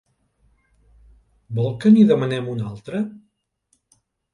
Vol que n'hi demanem una altra?